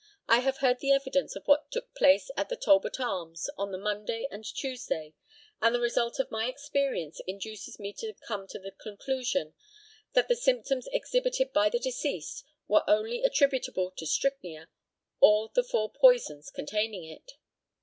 I have heard the evidence of what took place at the Talbot Arms on the Monday and Tuesday, and the result of my experience induces me to come to the conclusion that the symptoms exhibited by the deceased were only attributable to strychnia, or the four poisons containing it.